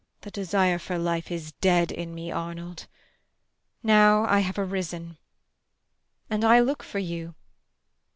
] The desire for life is dead in me, Arnold. Now I have arisen. And I look for you.